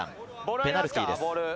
ペナルティーです。